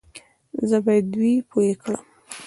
زه بايد دوی پوه کړم